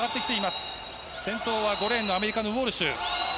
先頭は５レーンのアメリカのウォルシュ。